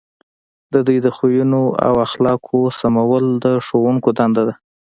د دوی د خویونو او اخلاقو سمول د ښوونکو دنده ده.